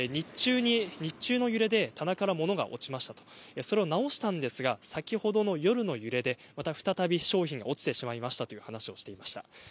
日中の揺れで棚から物が落ちましたとそれを直したんですが先ほどの夜の揺れでまた再び商品が落ちてしまいましたという話をしていました。